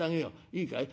いいかい。